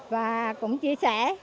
và cũng chia sẻ